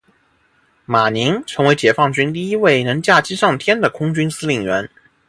马宁成为解放军第一位能驾机上天的空军司令员。